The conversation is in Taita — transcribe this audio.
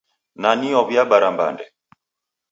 Nani waw'iabara mbande?